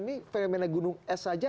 ini fenomena gunung es saja